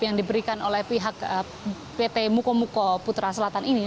yang diberikan oleh pp mukomuko putra selatan ini